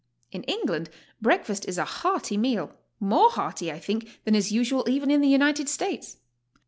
In England breakfast is a hearty meal, more hearty, I think, than is usual even in the United States.